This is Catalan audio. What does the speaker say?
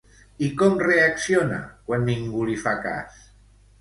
I com reacciona quan ningú li fa cas?